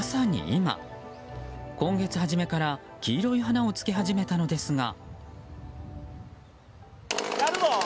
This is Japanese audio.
今月初めから黄色い花をつけ始めたのですが。